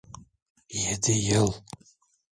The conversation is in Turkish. Yedi yıl.